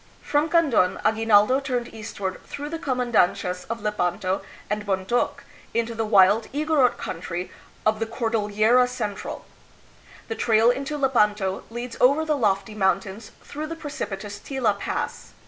From Kandon, Aguinaldo turned eastward through the comandancias of Lepanto and Bontok, into the wild Igorot country of the Cor dillera Central. The trail into Lepanto leads over the lofty mountains through the precipitous Tila Pass.